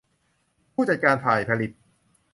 ผู้จัดการฝ่ายผลิต